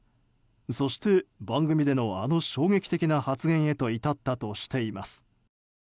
そして、番組でのあの衝撃的な発言へと至ったとしています。